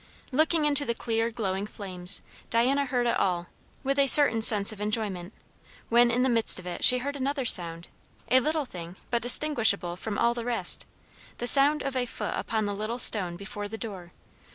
Looking into the clear, glowing flames, Diana heard it all, with a certain sense of enjoyment; when in the midst of it she heard another sound, a little thing, but distinguishable from all the rest; the sound of a foot upon the little stone before the door.